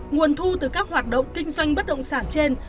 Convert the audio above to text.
nguồn thu từ các hoạt động kinh doanh bất động sản trên